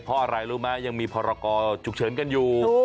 เพราะอะไรรู้ไหมยังมีพรกรฉุกเฉินกันอยู่